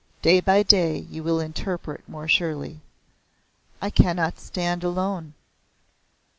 Day by day you will interpret more surely." "I cannot stand alone."